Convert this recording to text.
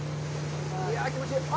いや、気持ちいい。